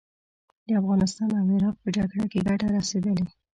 د افغانستان او عراق په جګړه کې ګټه رسېدلې.